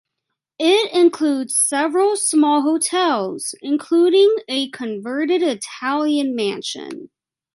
It includes several small hotels, including a converted Italian mansion.